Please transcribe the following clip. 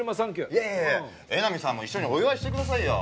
いやいや江波さんも一緒にお祝いしてくださいよ。